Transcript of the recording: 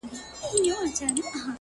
نیک نیت بدې فضاوې نرموي